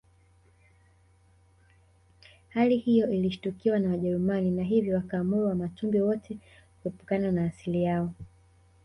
Hali hiyo ilishtukiwa na Wajerumani na hivyo wakaamuru Wamatumbi wote kuepukana na asili yao